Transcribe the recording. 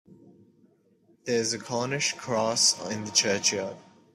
There is a Cornish cross in the churchyard.